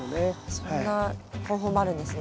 そんな方法もあるんですね。